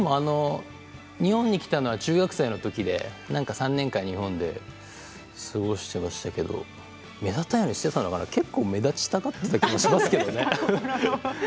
日本に来たのは中学生のときで３年間、日本で過ごしていましたけど目立たないようにしてたのかな結構目立ちたかったように思いますけどね。